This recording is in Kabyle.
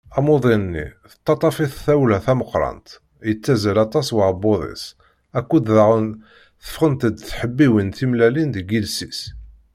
Amuḍin-nni, tettaṭṭaf-it tawla tameqqrant, yettazzal aṭas uɛebbuḍ-is akked daɣen tefɣent-d tḥebbiwin timellalin deg yiles-is.